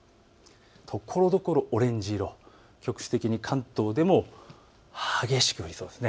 ところどころオレンジ色、局地的に関東でも激しく降りそうです。